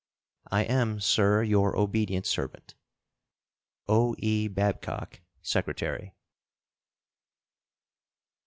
I am, sir, your obedient servant, O.E. BABCOCK, Secretary.